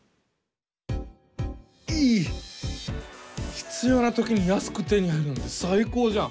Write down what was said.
必要なときに安く手に入るなんて最高じゃん！